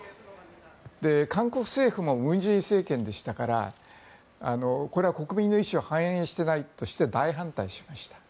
韓国政府も文在寅政権でしたからこれは国民の意思を反映していないとして大反対しました。